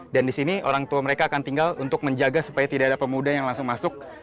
dan di sini orang tua mereka akan tinggal untuk menjaga supaya tidak ada pemuda yang langsung masuk